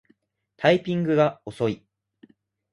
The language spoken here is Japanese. タイピングが遅い